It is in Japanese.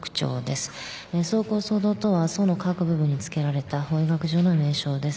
創口・創洞とは創の各部分につけられた法医学上の名称です。